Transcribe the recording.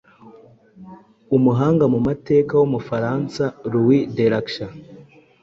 Umuhanga mu mateka w'umufaransa, Louis de Lacger